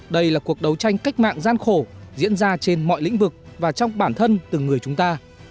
đây là cuộc đấu tranh cách mạng gian khổ diễn ra trên mọi lĩnh vực và trong bản thân từng người chúng ta